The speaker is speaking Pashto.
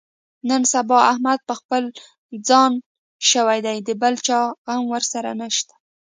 نن سبا احمد په خپل ځان شوی دی، د بل چا غم ورسره نشته.